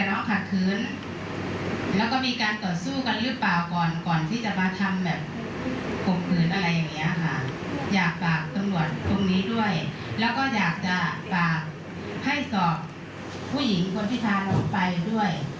แล้วก็อยากจะฝากให้สอบผู้หญิงคนพิทานมไปด้วย